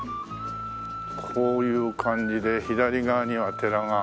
こういう感じで左側には寺が。